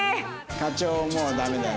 課長もうダメだね。